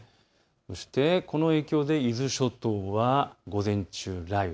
そしてこの影響で伊豆諸島は午前中、雷雨。